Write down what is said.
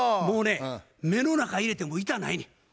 もうね目の中入れても痛ないねん。